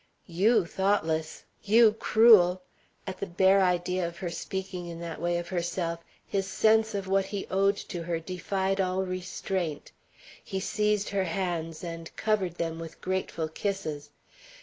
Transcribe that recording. "You thoughtless! you cruel!" At the bare idea of her speaking in that way of herself, his sense of what he owed to her defied all restraint. He seized her hands and covered them with grateful kisses.